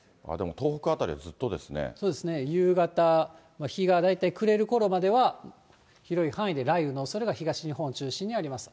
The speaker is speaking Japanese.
そうですね、夕方、日が大体暮れるころまでは広い範囲で雷雨のおそれが、東日本中心にあります。